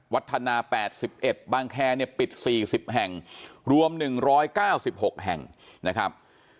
วัฒนาแปดสิบเอ็ดบางแคเนี่ยปิดสี่สิบแห่งรวมหนึ่งร้อยเก้าสิบหกแห่งนะครับ